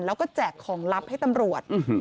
แล้วก็แจกของลับให้ตำรวจ